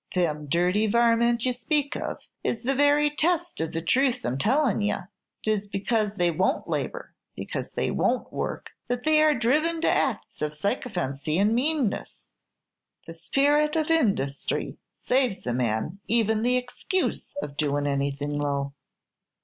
"Them dirty varmint ye speak of is the very test of the truth I 'm tellin' ye. 'T is because they won't labor because they won't work that they are driven to acts of sycophancy and meanness. The spirit of industhry saves a man even the excuse of doin' anything low!"